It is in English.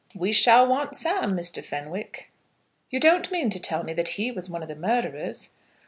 We shall want Sam, Mr. Fenwick." "You don't mean to tell me that he was one of the murderers?"